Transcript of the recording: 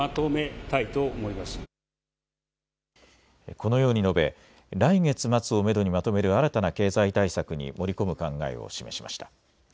このように述べ、来月末をめどにまとめる新たな経済対策に盛り込む考えを示しました。